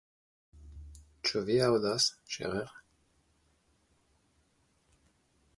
Ĉu vi aŭdas, Scherer?